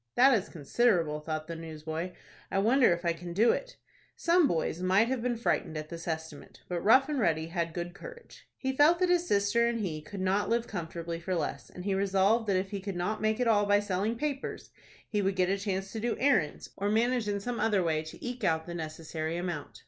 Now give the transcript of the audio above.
"That is considerable," thought the newsboy. "I wonder if I can do it." Some boys might have been frightened at this estimate. But Rough and Ready had good courage. He felt that his sister and he could not live comfortably for less, and he resolved that if he could not make it all by selling papers, he would get a chance to do errands, or manage in some other way to eke out the necessary amount.